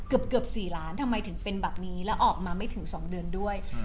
เกือบ๔ล้านทำไมถึงเป็นแบบนี้แล้วออกมาไม่ถึง๒เดือนด้วย